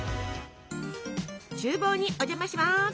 ちゅう房にお邪魔します。